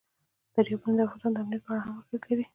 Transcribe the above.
دریابونه د افغانستان د امنیت په اړه هم اغېز لري.